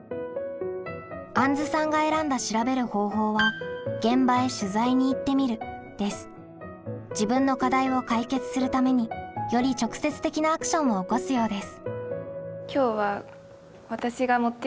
あんずさんが選んだ調べる方法は自分の課題を解決するためにより直接的なアクションを起こすようです。